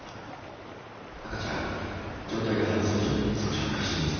赤ちゃん状態が搬送時より少し悪化しています。